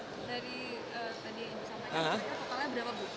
dari tadi yang disampaikan totalnya berapa bu